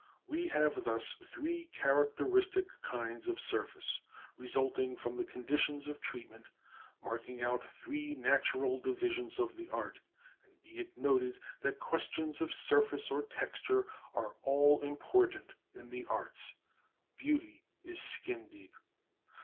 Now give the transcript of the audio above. We have thus three characteristic kinds of surface resulting from the conditions of treatment, marking out three natural divisions of the art: and be it noted that questions of surface or texture are all important in the arts; beauty is skin deep.